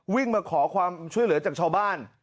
วิ่งมาขอความช่วยเหลือจากชาวบ้าน